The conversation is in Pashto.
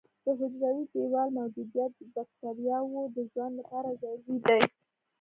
د حجروي دیوال موجودیت د بکټریاوو د ژوند لپاره ضروري دی.